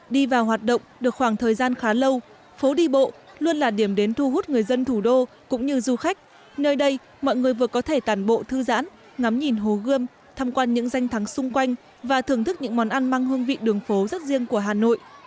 đi vào hoạt động được khoảng thời gian khá lâu phố đi bộ luôn là điểm đến thu hút người dân thủ đô cũng như du khách nơi đây mọi người vừa có thể tản bộ thư giãn ngắm nhìn hồ gươm tham quan những danh thắng xung quanh và thưởng thức những món ăn mang hương vị đường phố rất riêng của hà nội